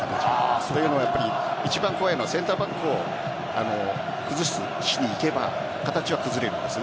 それでも一番怖いのはセンターバックを崩しに行けば形は崩れるんです。